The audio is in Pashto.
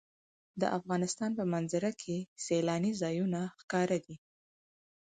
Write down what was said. د افغانستان په منظره کې سیلاني ځایونه ښکاره دي.